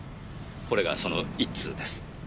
これがその１通です。